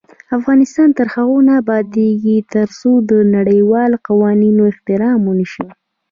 افغانستان تر هغو نه ابادیږي، ترڅو د نړیوالو قوانینو احترام ونشي.